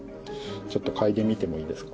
ちょっと嗅いでみてもいいですか。